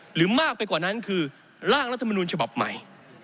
หรือมากไปกว่านั้นคือร่างรัฐมนุนฉบับใหม่